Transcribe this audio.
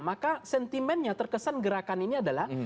maka sentimen yang terkesan gerakan ini adalah